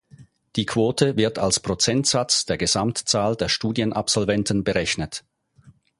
Die Quote wird als Prozentsatz der Gesamtzahl der Studienabsolventen berechnet.